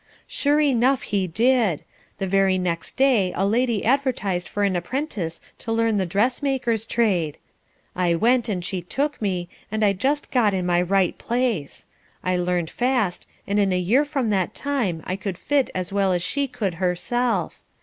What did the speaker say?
Sure enough he did! the very next day a lady advertised for an apprentice to learn the dressmaker's trade. I went, and she took me, and I got just in my right place. I learned fast, and in a year from that time I could fit as well as she could herself.